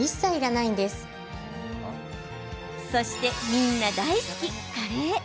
そして、みんな大好きカレー。